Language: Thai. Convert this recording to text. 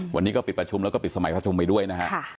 วันนี้ก็ปิดประชุมแล้วก็ปิดสมัยประชุมไปด้วยนะฮะ